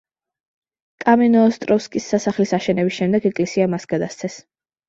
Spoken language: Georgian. კამენოოსტროვსკის სასახლის აშენების შემდეგ ეკლესია მას გადასცეს.